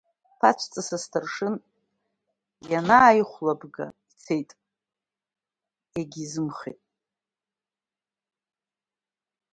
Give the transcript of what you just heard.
Ԥацәҵыс асҭаршын инаихәлабга ицеит, иагьизымхеит.